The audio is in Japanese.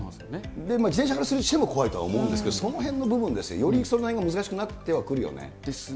自転車からしても怖いと思うんですけど、そのへんの部分ですよ、そのへんがより難しくなってくると思うよね。